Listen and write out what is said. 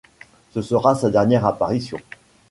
Ce sera sa dernière apparition.